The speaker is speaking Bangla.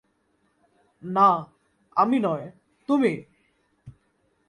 না, আমি নয়, তুমি!